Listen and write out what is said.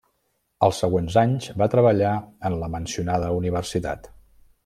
Els següents anys va treballar en la mencionada universitat.